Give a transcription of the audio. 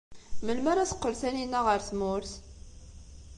Melmi ara teqqel Taninna ɣer tmurt?